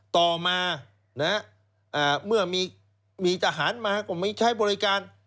ต่อมาเมื่อมีทหารมาก็มีใช้บริการ